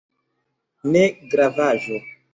Ne gravaĵo!